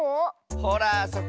ほらあそこ。